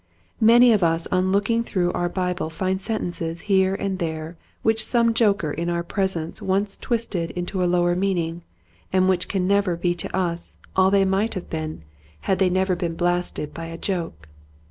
Many of us on looking through our Bible find sentences here and there which some joker in our presence once twisted into a lower meaning, and which can never be to us all they might have been had they 156 Quiet Hints to Growing Preachers. never been blasted by a joke.